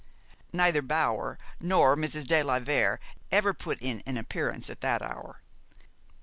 Neither Bower nor Mrs. de la Vere ever put in an appearance at that hour.